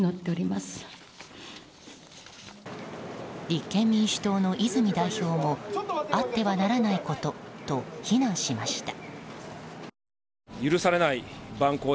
立憲民主党の泉代表もあってはならないことと非難しました。